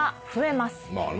まあね。